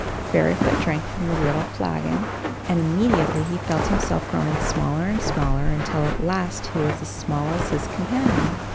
Fairyfoot drank from the little flagon, and immediately he felt himself growing smaller and smaller until at last he was as small as his companion.